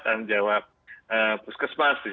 tanggung jawab puskesmas